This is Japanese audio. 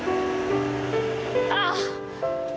ああ！